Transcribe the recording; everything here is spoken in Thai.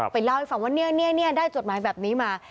เล่าให้ฟังว่านี่ได้จดหมายแบบนี้มา